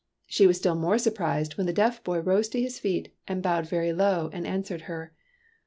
She was still more surprised when the deaf boy rose to his feet and bowed very low and answered her.